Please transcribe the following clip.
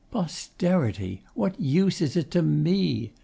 'Posterity! What use is it to ME?